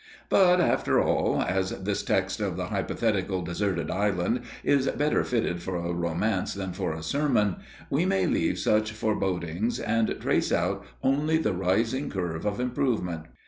But, after all, as this text of the hypothetical deserted island is better fitted for a romance than for a sermon, we may leave such forebodings and trace out only the rising curve of improvement.